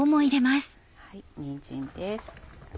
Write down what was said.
にんじんです。